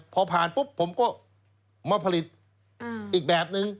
พอผ่านปุ๊บผมก็มาผลิตอีกแบบนึง